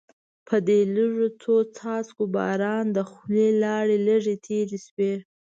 په دې لږو څو څاڅکو باران د خولې لاړې لږې تېرې شوې.